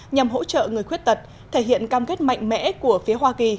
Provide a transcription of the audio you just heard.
nhằm hỗ trợ người khuyết tật thể hiện cam kết mạnh mẽ của phía hoa kỳ